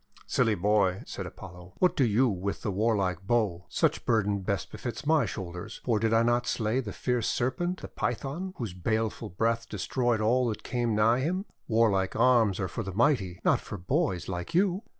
:< Silly Boy," said Apollo, "what do you with the warlike bow? Such burden best befits my shoulders, for did I not slay the fierce Serpent, the Python, whose baleful breath destroyed all that came nigh him? Warlike arms are for the mighty, not for boys like you!